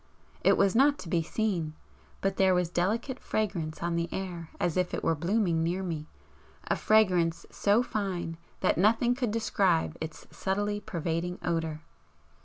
It was not to be seen but there was delicate fragrance on the air as if it were blooming near me a fragrance so fine that nothing could describe its subtly pervading odour.